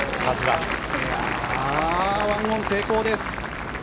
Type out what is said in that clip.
１オン成功です。